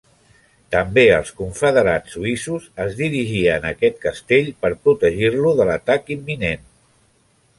També els confederats suïssos es dirigien a aquest castell per protegir-ho de l'atac imminent.